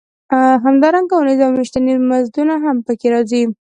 همدارنګه اونیز او میاشتني مزدونه هم پکې راځي